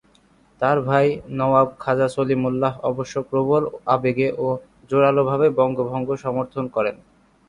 তাঁর ভাই নওয়াব খাজা সলিমুল্লাহ অবশ্য প্রবল আবেগে ও জোরালোভাবে বঙ্গভঙ্গ সমর্থন করেন।